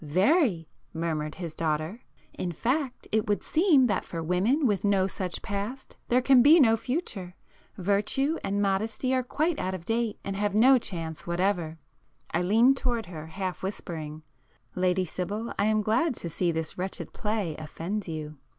"Very!" murmured his daughter.—"In fact it would seem that for women with no such 'past' there can be no future! Virtue and modesty are quite out of date, and have no chance whatever." I leaned towards her, half whispering, "Lady Sibyl, I am glad to see this wretched play offends you."